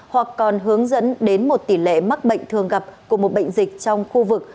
hoặc còn hướng dẫn đến một tỷ lệ mắc bệnh thường gặp của một bệnh dịch trong khu vực